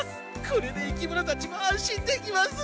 これで生き物たちも安心できます！